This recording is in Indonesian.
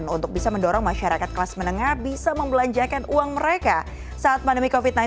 untuk bisa mendorong masyarakat kelas menengah bisa membelanjakan uang mereka saat pandemi covid sembilan belas